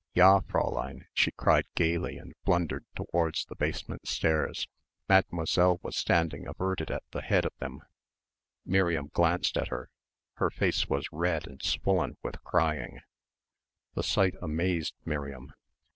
"Ja, Fräulein," she cried gaily and blundered towards the basement stairs. Mademoiselle was standing averted at the head of them; Miriam glanced at her. Her face was red and swollen with crying. The sight amazed Miriam.